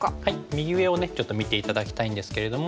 右上をちょっと見て頂きたいんですけれども。